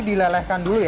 jadi dilelehkan dulu ya